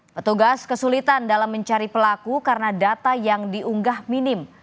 petugas kesulitan dalam mencari pelaku karena data yang diunggah minim